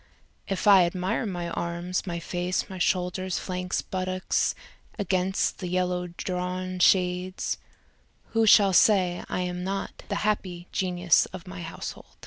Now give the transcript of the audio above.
If I admire my arms, my face, my shoulders, flanks, buttocks against the yellow drawn shades, Who shall say I am not the happy genius of my househo